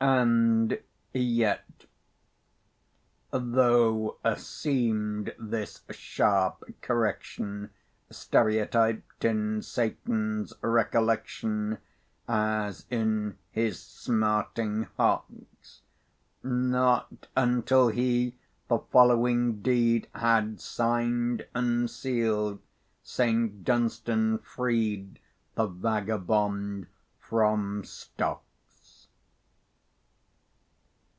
And yet, though seemed this sharp correction Stereotyped in Satan's recollection, As in his smarting hocks; Not until he the following deed Had signed and sealed, St. Dunstan freed The vagabond from stocks.